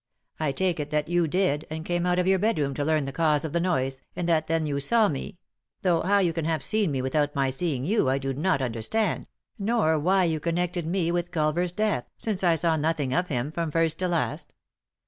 I take it that you did, and came out of your bedroom to team the cause of the noise, and that then you saw me— though how you can hare seen me without my seeing you I do not understand, nor why you con nected me with Culver's death, since I saw nothing of him from first to last.